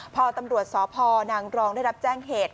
พอตำรวจสพนางรองได้รับแจ้งเหตุ